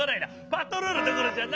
パトロールどころじゃないぞ。